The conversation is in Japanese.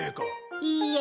いいえ